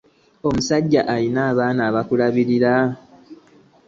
Omusajja alina abaana abokulabirira.